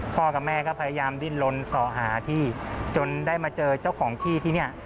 กับแม่ก็พยายามดิ้นลนสอหาที่จนได้มาเจอเจ้าของที่ที่เนี่ย